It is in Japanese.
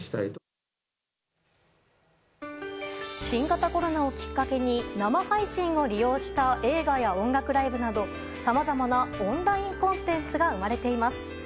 新型コロナをきっかけに生配信を利用した映画や音楽ライブなどさまざまなオンラインコンテンツが生まれています。